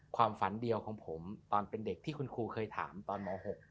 ความฝันเดียวของผมตอนเป็นเด็กที่คุณครูเคยถามตอนม๖